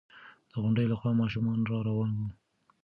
د غونډۍ له خوا ماشومان را روان وو.